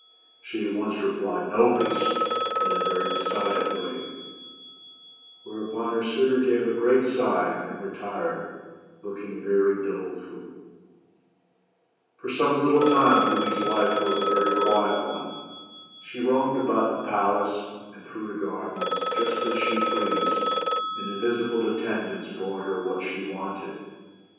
She at once re plied, "No, Beast!" in a very decided way; whereupon her suitor gave a great sigh, and retired, looking very doleful. BEAUTY AND THE BEAST. For some little time Beauty's life was a very quiet one. She roamed about the palace, and through the gardens, just as she pleased, and invisible attendants brought her what she wanted.